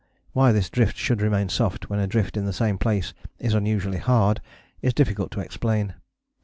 Why this drift should remain soft when a drift in the same place is usually hard is difficult to explain.